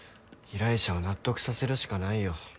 依頼者を納得させるしかないよ。